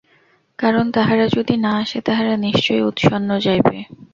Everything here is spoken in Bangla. কারণ তাহারা যদি না আসে, তাহারা নিশ্চয়ই উৎসন্ন যাইবে।